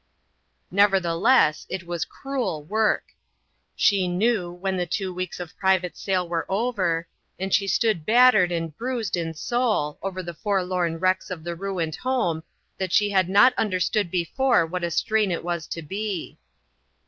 Nevertheless, it was cruel work. She knew when the two weeks of private sale were over, and she stood battered and bruised in soul, over the forlorn wrecks of the ruined home, that she had not understood before what a strain it was to be.